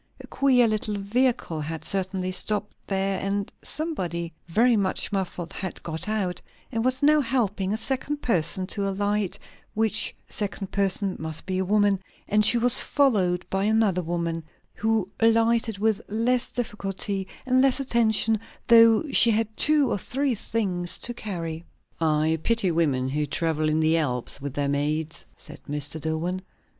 A queer little vehicle had certainly stopped there, and somebody very much muffled had got out, and was now helping a second person to alight, which second person must be a woman; and she was followed by another woman, who alighted with less difficulty and less attention, though she had two or three things to carry. "I pity women who travel in the Alps with their maids!" said Mr. Dillwyn.